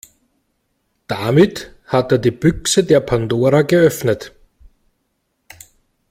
Damit hat er die Büchse der Pandora geöffnet.